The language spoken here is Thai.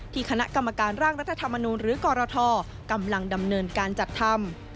คณะกรรมการร่างรัฐธรรมนูลหรือกรทกำลังดำเนินการจัดทำ